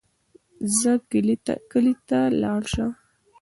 ځه کلي ته دې لاړ شه.